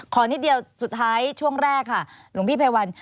นิดเดียวสุดท้ายช่วงแรกค่ะหลวงพี่ไพวัน